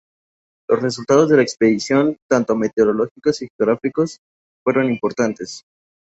Los resultados de la expedición, tanto meteorológicos y geográficos, fueron importantes.